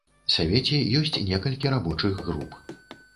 Савеце ёсць некалькі рабочых груп.